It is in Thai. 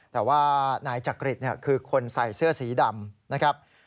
แต่ว่านายจักริตคือคนใส่เสื้อสีดำนะครับ